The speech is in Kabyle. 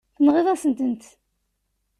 Tenɣiḍ-as-tent.